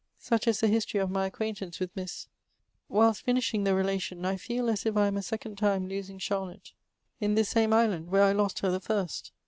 Such is the history of my acquaintance with ItGss . Whilst finishing the relation, I feel as if I am a second time losing Charlotte, in this same island where I lost her the first.